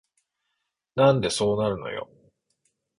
なんでそうなるのよ